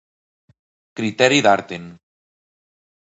Criteri d'Artin.